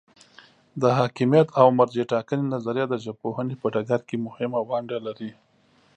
د حاکمیت او مرجع ټاکنې نظریه د ژبپوهنې په ډګر کې مهمه ونډه لري.